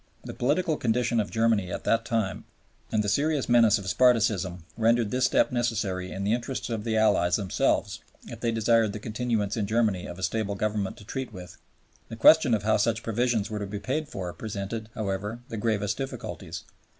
The political condition of Germany at that time and the serious menace of Spartacism rendered this step necessary in the interests of the Allies themselves if they desired the continuance in Germany of a stable Government to treat with. The question of how such provisions were to be paid for presented, however, the gravest difficulties.